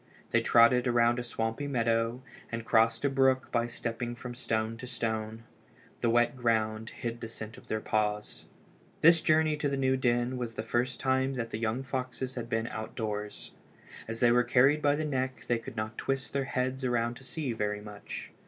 They trotted around a swampy meadow and crossed a brook by stepping from stone to stone. The wet ground hid the scent of their paws. This journey to the new den was the first time that the young foxes had been outdoors. As they were carried by the neck they could not twist their heads around to see very much.